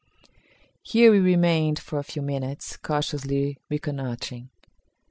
Here we remained for a few minutes, cautiously reconnoitring.